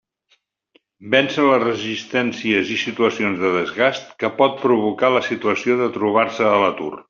Vèncer les resistències i situacions de desgast que pot provocar la situació de trobar-se a l'atur.